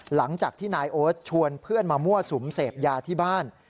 หลังจากที่นายโอ๊ตชวนเพื่อนมามั่วสุมเสพยาที่บ้าน